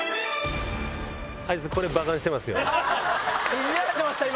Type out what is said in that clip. いじられてました今。